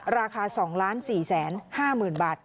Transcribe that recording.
ราคา๒๔๕๐๐๐บาท